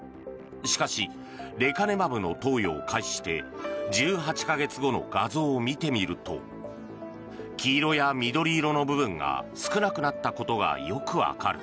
しかしレカネマブの投与を開始して１８か月後の画像を見てみると黄色や緑色の部分が少なくなったことがよくわかる。